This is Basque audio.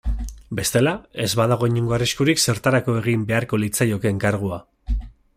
Bestela, ez badago inongo arriskurik zertarako egin beharko litzaioke enkargua.